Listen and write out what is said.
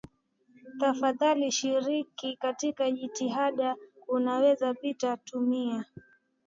tafadhali shiriki katika jitihada Unaweza pia tumia